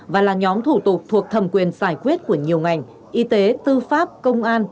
và là nhóm thủ tục thuộc thẩm quyền giải quyết của nhiều ngành y tế tư pháp công an